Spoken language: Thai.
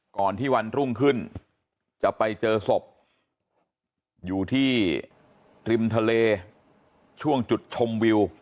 ก่อนที่วันรุ่งขึ้นจะไปเจอศพอยู่ที่ริมทะเลช่วงจุดชมวิว